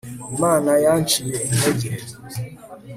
imana yanciye intege